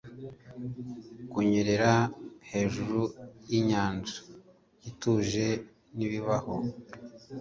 Kunyerera hejuru y inyanja ituje.nibibaho